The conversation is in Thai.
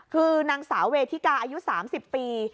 คือนางสาวเวทิกาอายุ๓๐ปี